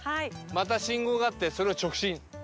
また信号があってそれを直進。